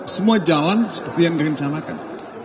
semua jalan seperti yang direncanakan